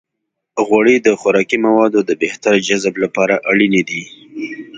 غوړې د خوراکي موادو د بهتر جذب لپاره اړینې دي.